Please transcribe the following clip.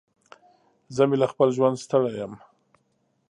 زه مې له خپل ژونده ستړی يم.